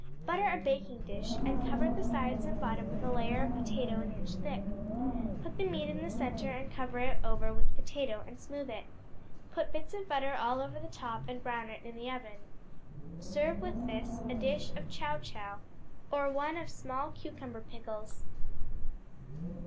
Butter a baking dish, and cover the sides and bottom with a layer of potato an inch thick. Put the meat in the centre and cover it over with potato and smooth it. Put bits of butter all over the top, and brown it in the oven. Serve with this a dish of chow chow, or one of small cucumber pickles.